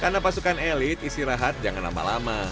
karena pasukan elit istirahat jangan lama lama